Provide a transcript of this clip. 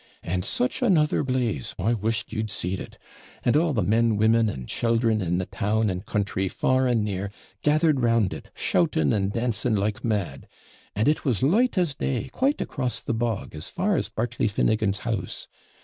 And such another blaze! I wished you'd seed it and all the men, women, and children in the town and country, far and near, gathered round it, shouting and dancing like mad! and it was light as day quite across the bog, as far as Bartley Finnigan's house.